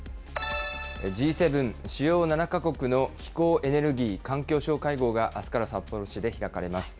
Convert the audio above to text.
Ｇ７・主要７か国の気候・エネルギー・環境相会合があすから札幌市で開かれます。